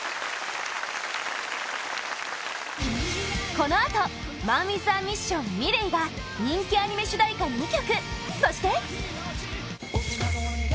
このあとＭＡＮＷＩＴＨＡＭＩＳＳＩＯＮ×ｍｉｌｅｔが人気アニメ主題歌２曲！